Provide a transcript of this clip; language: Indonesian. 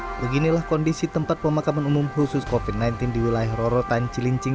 hai beginilah kondisi tempat pemakaman umum khusus copy sembilan belas di wilayah roro tancilincing